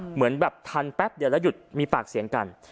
เหมือนแบบทันแป๊บเดียวแล้วหยุดมีปากเสียงกัน